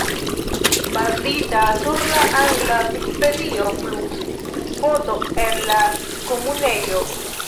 Bazita sur la angla Vikipedio, plus foto el la Komunejo.